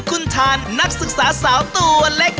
คุณทานนักศึกษาสาวตัวเล็ก